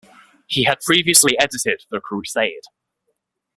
He had previously edited "The Crusade".